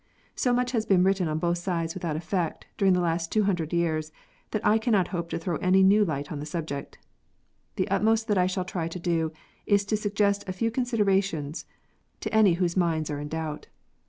So much has been written on both sides without effect, during the last two hundred years, that I cannot hope to throw any new light on the subject. The utmost that I shall try to do is to suggest a few con siderations to any whose minds are in doubt.